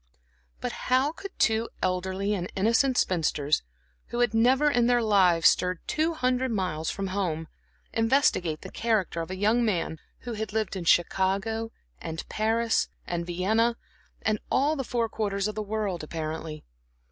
But how could two elderly and innocent spinsters, who had never in their lives stirred two hundred miles from home, investigate the character of a young man who had lived in Chicago and Paris and Vienna and all the four quarters of the world apparently?